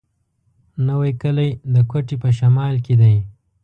نوی کلی د کوټي په شمال کي دی.